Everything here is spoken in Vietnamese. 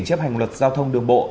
kiểm chấp hành luật giao thông đường bộ